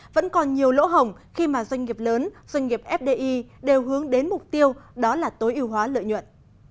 vẫn còn nhiều lỗ hổng khi mà doanh nghiệp lớn doanh nghiệp fdi đều hướng đến mục tiêu đó là tối ưu hóa lợi nhuận